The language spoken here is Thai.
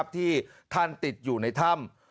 ที่ท่านติดอยู่ในถ้ำ